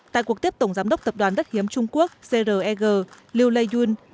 tại cuộc tiếp tổng giám đốc tập đoàn đất hiếm trung quốc creg lưu lê dương